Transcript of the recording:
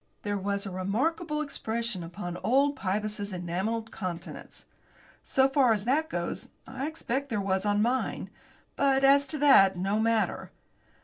There was a remarkable expression upon old Pybus's enamelled countenance. So far as that goes, I expect there was on mine but, as to that, no matter.